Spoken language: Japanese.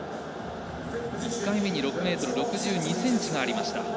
１回目に６ｍ６２ｃｍがありました。